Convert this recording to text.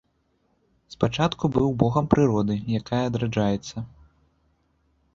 Спачатку быў богам прыроды, якая адраджаецца.